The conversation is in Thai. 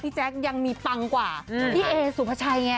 แจ๊คยังมีปังกว่าพี่เอสุภาชัยไง